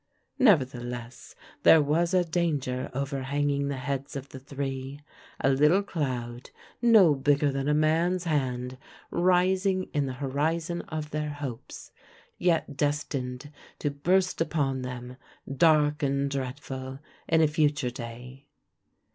Nevertheless, there was a danger overhanging the heads of the three a little cloud, no bigger than a man's hand, rising in the horizon of their hopes, yet destined to burst upon them, dark and dreadful, in a future day.